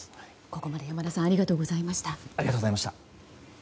ここまで山田さんありがとうございました。